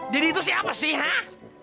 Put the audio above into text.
diri itu siapa sih hah